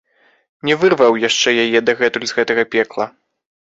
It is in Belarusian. Не вырваў яшчэ яе дагэтуль з гэтага пекла.